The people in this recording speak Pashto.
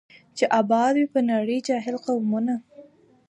چي آباد وي پر نړۍ جاهل قومونه